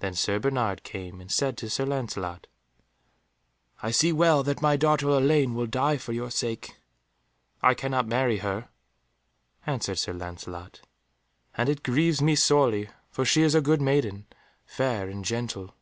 Then Sir Bernard came and said to Sir Lancelot, "I see well that my daughter Elaine will die for your sake." "I cannot marry her," answered Sir Lancelot, "and it grieves me sorely, for she is a good maiden, fair and gentle."